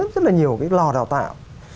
rất là nhiều cái lò đào tạo